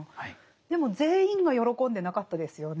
でも全員が喜んでなかったですよね。